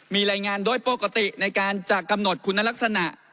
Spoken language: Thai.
มีรายงานโดยปกติในการจะกำหนดคุณลักษณะ